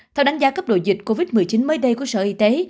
theo đánh giá cấp độ dịch covid một mươi chín mới đây của sở y tế